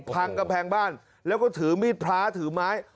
กำแพงบ้านแล้วก็ถือมีดพระถือไม้